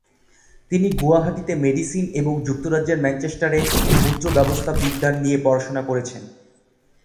তিনি গুয়াহাটিতে মেডিসিন এবং যুক্তরাজ্যের ম্যানচেস্টারে মূত্রব্যবস্থা-বিজ্ঞান নিয়ে পড়াশোনা করেছেন।